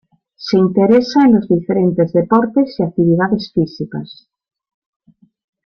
Se interesa en los diferentes deportes y actividades físicas.